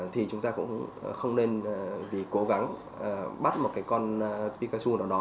thì chúng ta cũng không nên vì cố gắng bắt một cái con pikachu nào đó